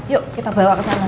yuk kita bawa ke sana